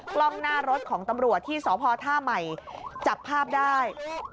กล้องหน้ารถของตำรวจที่สพท่าใหม่จับภาพได้